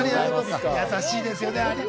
優しいですね。